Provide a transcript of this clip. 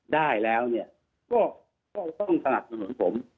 ได้แล้วเนี่ยก็ต้องสนับสนุนผม